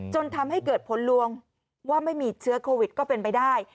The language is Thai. จนทำให้เกิดผลลวงว่าไม่มีเชื้อโควิดก็เป็นไปได้